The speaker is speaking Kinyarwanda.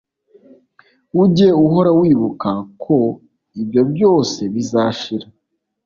Ujye uhora wibuka ko ibyo byose bizashira